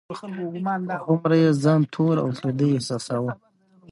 هومره یې ځان تور او پردی احساساوه.